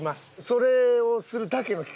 それをするだけの企画？